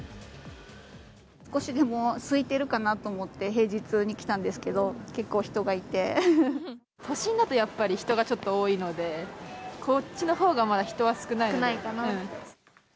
少しでもすいてるかなと思って、平日に来たんですけど、都心だとやっぱり人がちょっと多いので、こっちのほうがまだ人は少ないかなって。